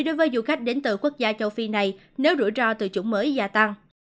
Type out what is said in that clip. đối với du khách đến từ quốc gia châu phi này nếu rủi ro từ chủng mới gia tăng